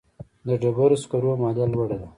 د ډبرو سکرو مالیه لوړه ده